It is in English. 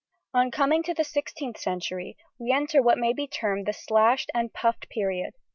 On coming to the 16th century we enter what may be termed the slashed and puffed period.